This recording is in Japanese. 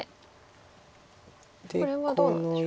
これはどうなんでしょう。